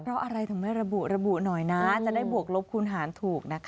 เพราะอะไรถึงไม่ระบุระบุหน่อยนะจะได้บวกลบคูณหารถูกนะคะ